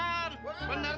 benar pak benar